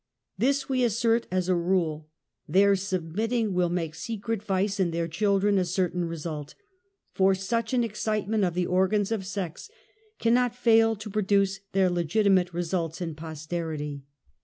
This we assert as a rule. Their submitting will make secret vice in their children a certain result, ' for such an excitement of the organs of sex cannot \ fail to produce their legitimate results in posterity.''